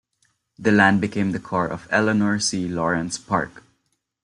The land became the core of Ellanor C. Lawrence Park.